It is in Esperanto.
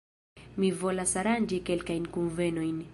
Mi volas aranĝi kelkajn kunvenojn.